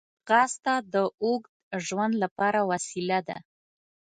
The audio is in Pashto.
ځغاسته د اوږد ژوند لپاره وسیله ده